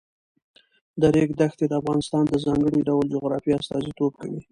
د ریګ دښتې د افغانستان د ځانګړي ډول جغرافیه استازیتوب کوي.